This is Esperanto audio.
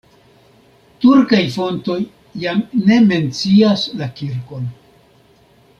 Turkaj fontoj jam ne mencias la kirkon.